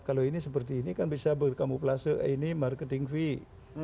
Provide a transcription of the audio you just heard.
kalau ini seperti ini kan bisa berkamuflase ini marketing fee ini commission fee